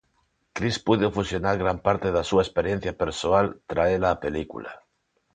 Cris puido fusionar gran parte da súa experiencia persoal, traela á película.